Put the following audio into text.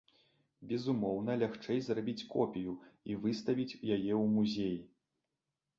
Безумоўна, лягчэй зрабіць копію і выставіць яе ў музеі.